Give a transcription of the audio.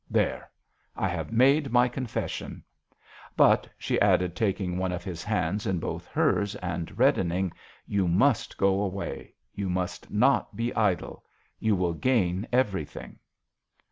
There ! I have made my con fession. But," she added, tak ing one of his hands in both hers and reddening, " you must go away. Yoti must not be idle. You will gain Everything."